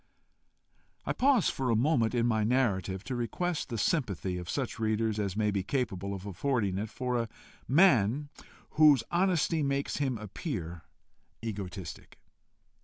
I pause for a moment in my narrative to request the sympathy of such readers as may be capable of affording it, for a man whose honesty makes him appear egotistic.